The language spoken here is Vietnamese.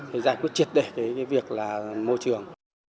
để giải quyết triệt đề cái việc là môi trường